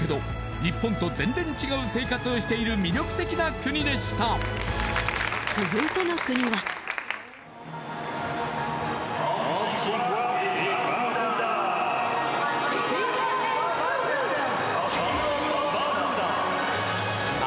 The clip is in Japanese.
日本と全然違う生活をしている魅力的な国でした続いての国はアンティグア・バーブーダ